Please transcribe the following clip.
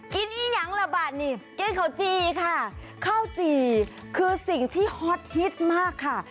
อีหนังละบาทนี่กินข้าวจี่ค่ะข้าวจี่คือสิ่งที่ฮอตฮิตมากค่ะ